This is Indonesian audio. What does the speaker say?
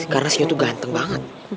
karena sinyo tuh ganteng banget